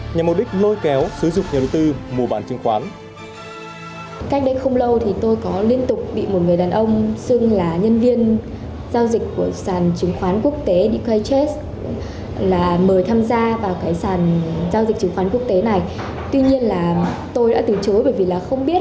nhằm mục đích lôi kéo sử dụng nhà đầu tư mùa bản chứng khoán